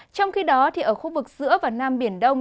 trong khi đó ở khu vực giữa và nam biển đông